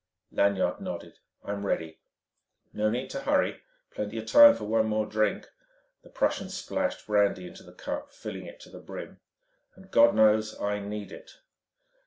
Lanyard nodded. "I am ready." "No need to hurry plenty of time for one more drink." The Prussian splashed brandy into the cup, filling it to the brim. "And God knows I need it!"